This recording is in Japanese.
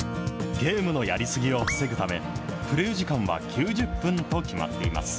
ゲームのやり過ぎを防ぐため、プレー時間は９０分と決まっています。